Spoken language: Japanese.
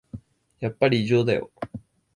やっぱり異常だよ